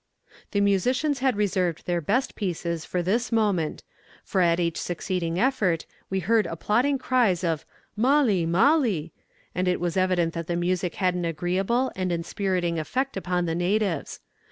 "The musicians had reserved their best pieces for this moment, for at each succeeding effort we heard applauding cries of 'Mâli, Mâli;' and it was evident that the music had an agreeable and inspiriting effect upon the natives.